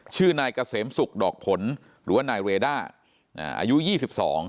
ชื่อนายกาเสมสุกดอกผลหรือว่านายเรด้าอายุยี่สิบสอง